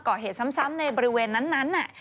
ก่อเหตุซ้ำในบริเวณนั้น